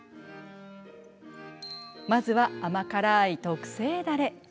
まずは、甘辛い特製だれ。